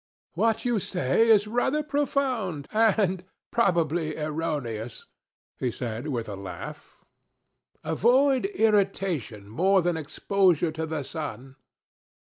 'What you say is rather profound, and probably erroneous,' he said, with a laugh. 'Avoid irritation more than exposure to the sun.